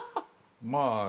まあ。